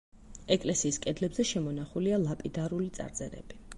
ეკლესიის კედლებზე შემონახულია ლაპიდარული წარწერები.